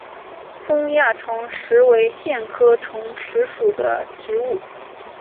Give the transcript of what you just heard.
中亚虫实是苋科虫实属的植物。